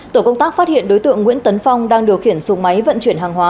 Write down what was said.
tổ công tác phát hiện đối tượng nguyễn tấn phong đang điều khiển sùng máy vận chuyển hàng hóa